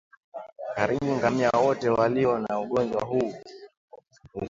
Karibu ngamia wote walio na ugonjwa huu hufa